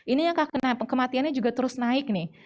ini yang kematiannya juga terus naik nih